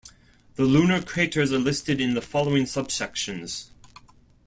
The lunar craters are listed in the following subsections.